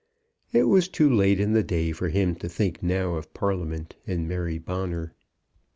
It was too late in the day for him to think now of Parliament and Mary Bonner.